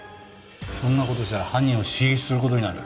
そんなことしたら犯人を刺激することになる。